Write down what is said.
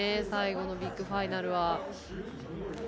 最後のビッグファイナルは。